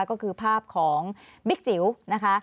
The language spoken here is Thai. ก็คือภาพของบิ๊กจิ๋วนะคะ